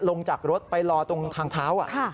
ลงจากรถไปรอตรงทางเท้า